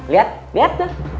lihat lihat tuh